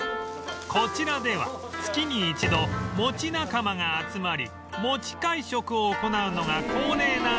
こちらでは月に一度餅仲間が集まり餅会食を行うのが恒例なんだとか